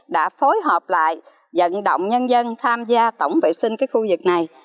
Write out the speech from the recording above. đã phối hợp lại dẫn động nhân dân tham gia tổng vệ sinh khu vực này